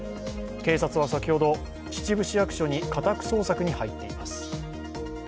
警察は先ほど、秩父市役所に家宅捜索に入っています。